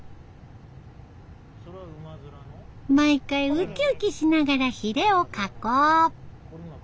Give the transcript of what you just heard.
毎回ウキウキしながらヒレを加工。